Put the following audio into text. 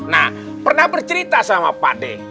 nah pernah bercerita sama pade